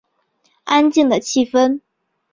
安静的气氛